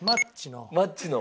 マッチの。